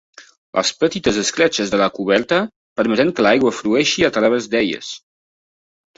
Les petites escletxes de la coberta permeten que l'aigua flueixi a través d'elles.